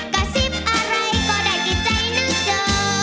กระซิบอะไรก็ได้ที่ใจนางเจอ